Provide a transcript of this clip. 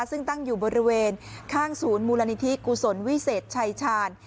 ซึ่งตั้งอยู่บริเวณข้างศูนย์มูลนิธิกุศลวิเศษชายชาญ